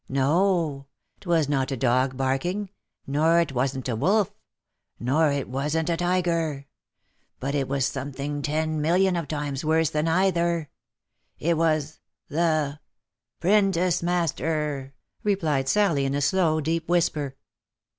" No ! 'twas not a dog barking, nor it wasn't a wolf, nor it wasn't a tiger ; but it was something ten million of times worser than either — It — was — the — 'printice master !" replied Sally, in a slow deep whis per.